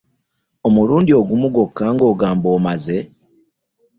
Omulundi ogumu gwokka ng'ogamba omaze?